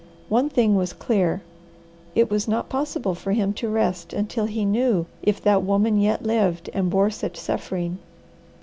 One thing was clear: It was not possible for him to rest until he knew if that woman yet lived and bore such suffering.